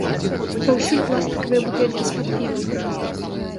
Паўсюль пластыкавыя бутэлькі з-пад піва.